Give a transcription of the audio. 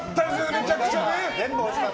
めちゃくちゃね。